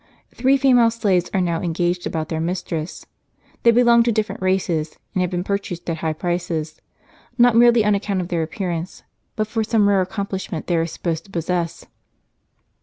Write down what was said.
Three female slaves are now engaged about their mistress. They belong to different races, and have been purchased at high prices, not merely on account of their appearance, but for some rare accomplishment they are sup posed to possess.